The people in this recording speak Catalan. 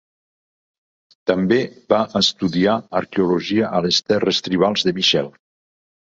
També va estudiar arqueologia a les terres tribals de Michelle.